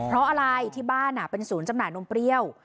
เพราะอะไรที่บ้านเป็นศูนย์จำหน่ายนมเปรี้ยว